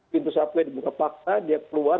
pintu subway dibuka paksa dia keluar